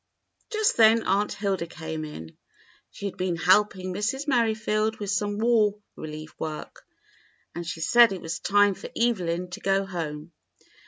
'" Just then Aunt Hilda came in. She had been help ing Mrs. Merrifield with some War Relief work, and she said it was time for Evelyn to go home.